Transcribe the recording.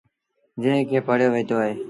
جݩهݩ کي پڙهيو وهيٚتو۔